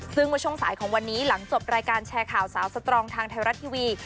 ซึ่งเมื่อช่วงสายของวันนี้หลังจบรายการแชร์ข่าวสาวสตรองทางไทยรัฐทีวี